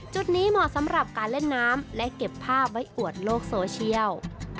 จุดนี้เหมาะสำหรับการเล่นน้ำและเก็บภาพไว้อวดโลกโซเชียล